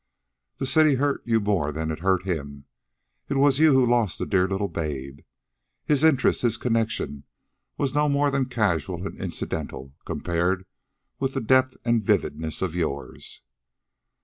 The city hurt you more than it hurt him. It was you who lost the dear little babe. His interest, his connection, was no more than casual and incidental compared with the depth and vividness of yours."